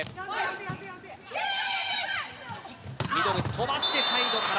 伸ばしてサイドから。